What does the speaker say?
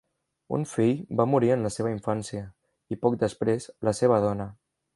Un fill va morir en la seva infància, i poc després, la seva dona.